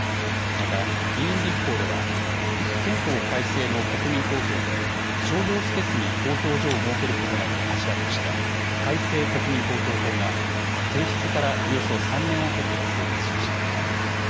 また議員立法では憲法改正の国民投票で商業施設に投票所を設けることなどを柱とした改正国民投票法が提出からおよそ３年を経て成立しました。